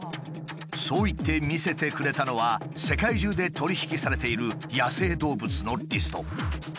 そう言って見せてくれたのは世界中で取り引きされている野生動物のリスト。